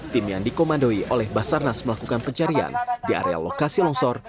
tim yang dikomandoi oleh basarnas melakukan pencarian di area lokasi longsor